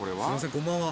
こんばんは。